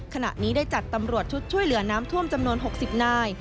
ขณะนี้ได้จัดตำรวจชุดช่วยเหลือน้ำท่วมจำนวน๖๐นาย